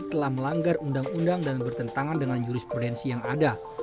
telah melanggar undang undang dan bertentangan dengan jurisprudensi yang ada